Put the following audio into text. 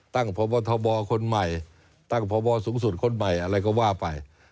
พบทบคนใหม่ตั้งพบสูงสุดคนใหม่อะไรก็ว่าไป